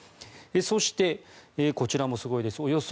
そして、こちらもすごいです。